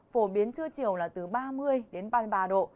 phổ biến trưa chiều là từ ba mươi đến ba mươi ba độ